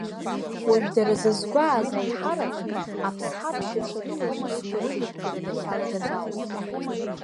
Уажә дара зызгәааз аиҳарак аԥсҳа аԥшьацәа рыла иусқәа рымҩаԥгара дахьалагаз ауп.